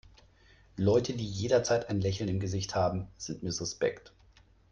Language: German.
Leute, die jederzeit ein Lächeln im Gesicht haben, sind mir suspekt.